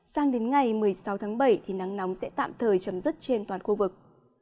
sáng đến ngày một mươi sáu tháng bảy nắng nóng sẽ tạm thời chấm dứt trên toàn khu vực